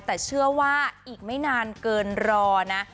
แต่เชื่อว่าอีกไม่นานเกินรอนะ